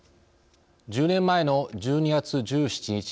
１０年前の１２月１７日